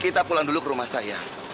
kita pulang dulu ke rumah saya